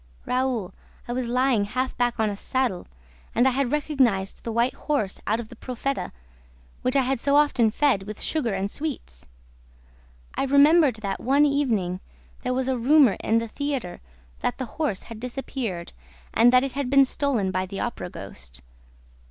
Raoul, I was lying half back on a saddle and I had recognized the white horse out of the PROFETA, which I had so often fed with sugar and sweets. I remembered that, one evening, there was a rumor in the theater that the horse had disappeared and that it had been stolen by the Opera ghost.